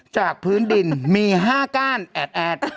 จากพื้นดินมี๕ก้านแอด